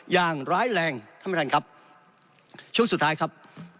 อย่างร้ายแรงท่านประธานครับช่วงสุดท้ายครับ